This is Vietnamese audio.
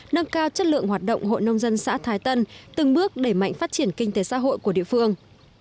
nâng cao chất lượng hoạt động hội nông dân xã thái tân từng bước đẩy mạnh phát triển kinh tế xã hội của địa phương